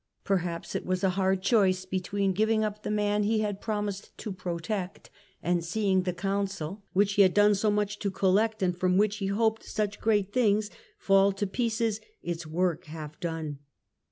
Perhaps it was a hard choice between giving up the man he had promised to protect, and seeing the Council, which he had done so much to collect and from which he hoped such great things, fall to pieces, its work half done.